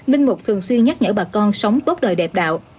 linh mục thường xuyên nhắc nhở bà con sống tốt đời đẹp đạo